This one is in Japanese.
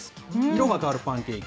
色が変わるパンケーキ。